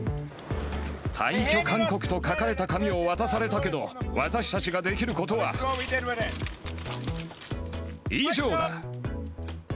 退去勧告と書かれた紙を渡されたけど、私たちができることは、以上だ！